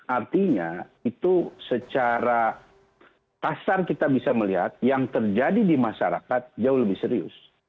artinya itu secara kasar kita bisa melihat yang terjadi di masyarakat jauh lebih serius